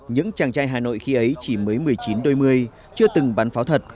những chàng trai hà nội khi ấy chỉ mới một mươi chín đôi mươi chưa từng bắn pháo thật